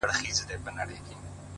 پرېولئ – په دې ترخو اوبو مو ځان مبارک;